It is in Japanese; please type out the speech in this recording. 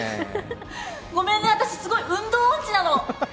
ごめんね、私、運動音痴なの。